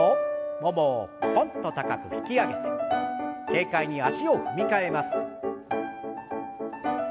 ももをポンと高く引き上げて軽快に足を踏み替えます。